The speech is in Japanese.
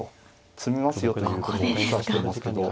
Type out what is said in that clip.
詰みますよということを示唆してますけど。